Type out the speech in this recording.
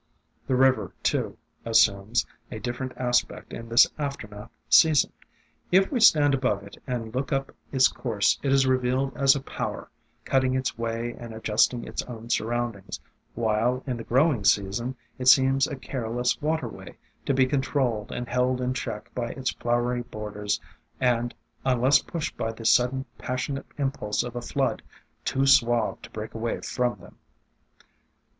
The river, too, assumes a different aspect in this aftermath season. If we stand above it and look up its course it is revealed as a power, cut ting its way and adjusting its own surroundings, while in the growing season it seems a careless waterway, to be controlled and held in check by its flowery borders, and, unless pushed by the sudden, passionate impulse of a flood, too suave to break away from them.